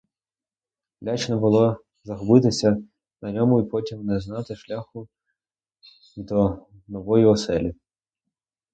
Лячно було загубитися на ньому й потім не знати шляху й до нової оселі.